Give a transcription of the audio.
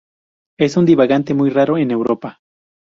Es un divagante muy raro en Europa.